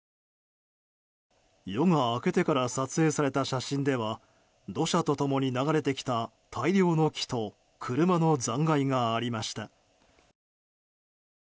夜が明けてから撮影された写真では土砂と共に流れてきた大量の木と車の残骸がありました。